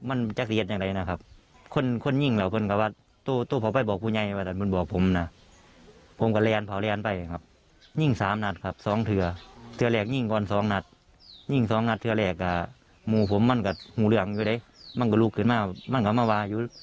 โอ้โหโทษดีไม่โดนไปด้วย